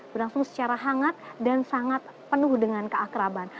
berlangsung secara hangat dan sangat penuh dengan keakraban